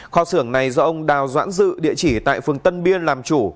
kho xưởng này do ông đào doãn dự địa chỉ tại phường tân biên làm chủ